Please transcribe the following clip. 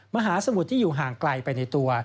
มหาสมุทรที่อยู่ห่างไกลไปในตัว